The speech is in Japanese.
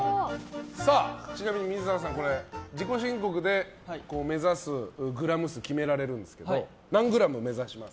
ちなみに水沢さん、自己申告で目指すグラム数を決められるんですけど何グラム目指します？